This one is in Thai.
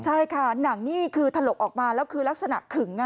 ใช่ค่ะหนังนี้ขือถลกออกมาเข็มลักษณะขึ่ง